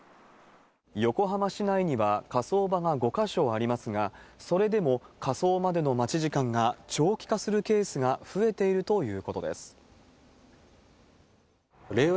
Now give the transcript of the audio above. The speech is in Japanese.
横浜市内には火葬場が５か所ありますが、それでも火葬までの待ち時間が長期化するケースが増えているとい令和